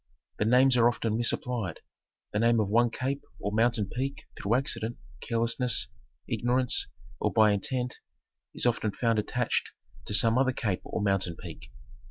The names are often misapplied. The name of one cape or mountain peak through accident, carelessness, ignorance, or by intent is often found attached to some other cape or mountain peak.